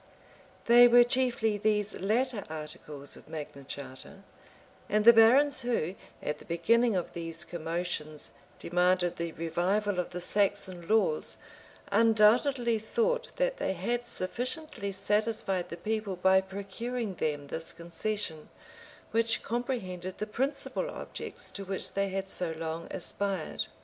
They were chiefly these latter articles of Magna Charta; and the barons who, at the beginning of these commotions, demanded the revival of the Saxon laws, undoubtedly thought that they had sufficiently satisfied the people by procuring them this concession, which comprehended the principal objects to which they had so long aspired.